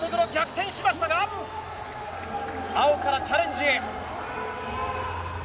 青からチャレンジ。